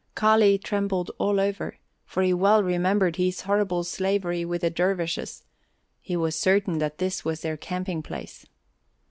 Kali trembled all over, for he well remembered his horrible slavery with the dervishes; he was certain that this was their camping place.